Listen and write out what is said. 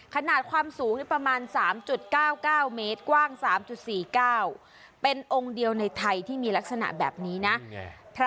ขนาดความสูงประมาณ๓๙๙เมตรกว้าง๓๔๙เป็นองค์เดียวในไทยที่มีลักษณะแบบนี้นะ